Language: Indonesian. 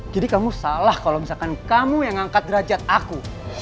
jadi kamu salah kalau misalkan kamu yang ngangkat derajat aku